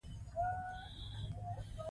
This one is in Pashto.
دا کیمیاوي مواد ډوډۍ ژر پخوي.